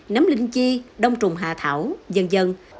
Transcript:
nấm linh chi đông trùng hạ thảo dần dần